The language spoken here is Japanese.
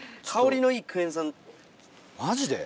マジで？